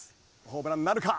ホームランなるか？